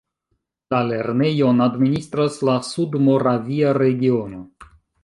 La lernejon administras la Sudmoravia regiono.